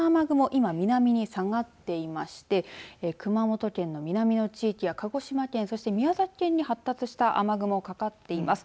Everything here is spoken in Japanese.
今、南に下がっていまして熊本県の南の地域や鹿児島県、そして宮崎県に発達した雨雲かかっています。